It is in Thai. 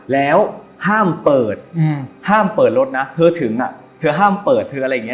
แล้วห้ามเปิดห้ามเปิดรถนะเธอถึงอ่ะเธอห้ามเปิดเธออะไรอย่างนี้